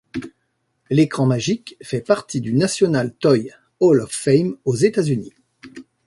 L'écran magique fait partie du National Toy Hall of Fame aux États-Unis.